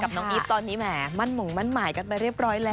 น้องอีฟตอนนี้แหมมั่นหมงมั่นหมายกันไปเรียบร้อยแล้ว